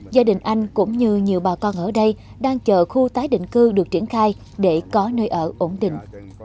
gia đình anh cũng như nhiều bà con ở đây đang chờ khu tái định cư được triển khai để có nơi ở ổn định